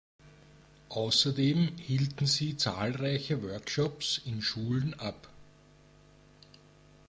Außerdem hielten sie zahlreiche Workshops in Schulen ab.